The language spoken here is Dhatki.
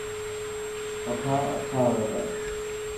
پٺاڻ اڇا هوئي تا.